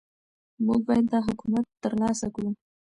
موږ باید دا حکمت ترلاسه کړو.